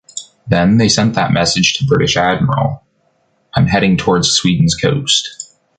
Then, they sent that message to British admiral: “I’m heading towards Sweden’s coast”.